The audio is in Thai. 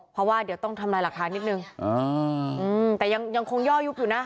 เพราะว่าเดี๋ยวต้องทำลายหลักฐานนิดนึงแต่ยังคงย่อยุบอยู่นะ